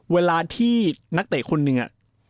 เวลาที่นักเตะคนหนึ่ง